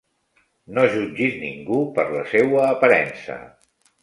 No jutgis ningú per la seua aparença.